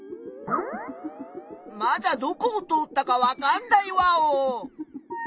まだどこを通ったかわかんないワオ！